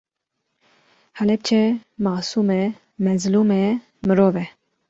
Helepçe masum e, mezlum e, mirov e